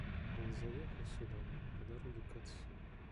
Он заехал сюда по дороге к отцу.